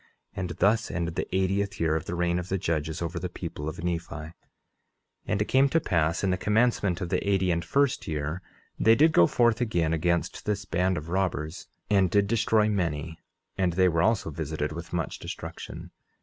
And thus ended the eightieth year of the reign of the judges over the people of Nephi. 11:30 And it came to pass in the commencement of the eighty and first year they did go forth again against this band of robbers, and did destroy many; and they were also visited with much destruction.